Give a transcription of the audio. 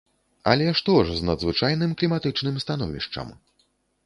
Але што ж з надзвычайным кліматычным становішчам?